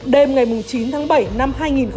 đêm ngày chín tháng bảy năm hai nghìn hai mươi